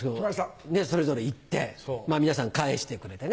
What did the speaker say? それぞれ行って皆さん返してくれてね。